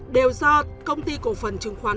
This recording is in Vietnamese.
đều do công ty cổ phần chứng khoán